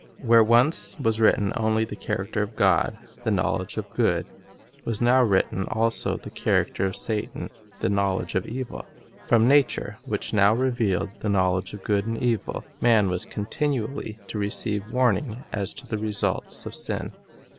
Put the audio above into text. Where once was written only the character of God, the knowledge of good, was now written also the character of Satan, the knowledge of evil. From nature, which now revealed the knowledge of good and evil, man was continually to receive warning as to the results of sin.